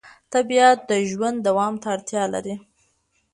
طبیعت د ژوند دوام ته اړتیا لري